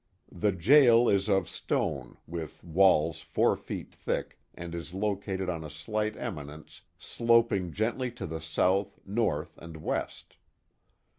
The jail is of stone, with walls four feel thick, and is located on a slight eminence sloping gently to the south, north, and west.